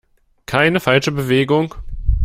Keine falsche Bewegung!